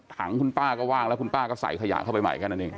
ถังคุณป้าก็ว่างแล้วคุณป้าก็ใส่ขยะเข้าไปใหม่แค่นั้นเอง